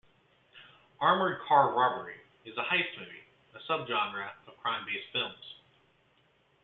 "Armored Car Robbery" is a heist movie, a subgenre of crime-based films.